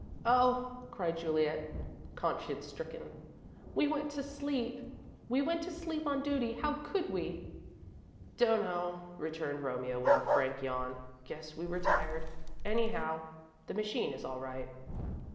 "Oh," cried Juliet, conscience stricken, "we went to sleep! We went to sleep on duty! How could we?" "Dunno," returned Romeo, with a frank yawn. "Guess we were tired. Anyhow, the machine is all right."